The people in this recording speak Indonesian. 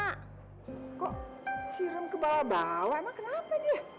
kok serum ke bawah bawah emang kenapa nia